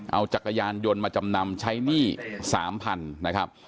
เอาจักรยานยนต์มาจำนำใช้หนี้๓๐๐๐นะครับ